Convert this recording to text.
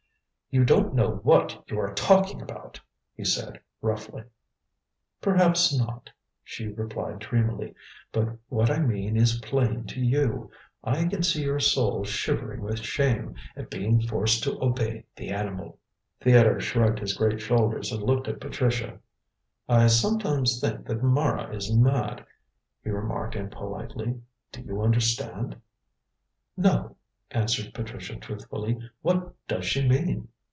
"You don't know what you are talking about," he said roughly. "Perhaps not," she replied dreamily; "but what I mean is plain to you. I can see your soul shivering with shame at being forced to obey the animal." Theodore shrugged his great shoulders and looked at Patricia. "I sometimes think that Mara is mad," he remarked impolitely; "do you understand?" "No," answered Patricia truthfully; "what does she mean?"